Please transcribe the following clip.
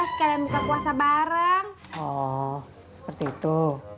sekalian buka puasa bareng seperti itu